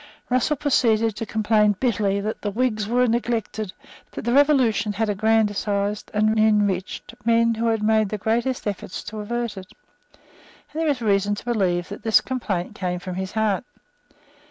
Russell proceeded to complain bitterly that the Whigs were neglected, that the Revolution had aggrandised and enriched men who had made the greatest efforts to avert it. And there is reason to believe that this complaint came from his heart.